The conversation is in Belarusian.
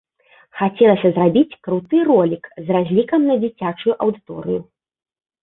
Хацелася зрабіць круты ролік з разлікам на дзіцячую аўдыторыю.